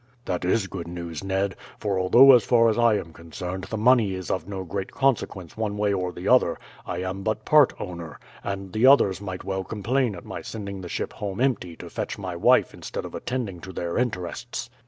"That is good news, Ned; for although as far as I am concerned the money is of no great consequence one way or the other, I am but part owner, and the others might well complain at my sending the ship home empty to fetch my wife instead of attending to their interests."